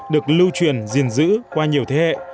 được lưu truyền diền giữ qua nhiều thế hệ